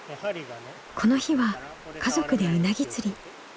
この日は家族でうなぎ釣り。